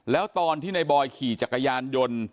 แล้วตอนที่ในบอยขี่จักรยานยนต์